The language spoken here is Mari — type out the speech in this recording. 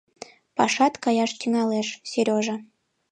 — Пашат каяш тӱҥалеш, Сережа.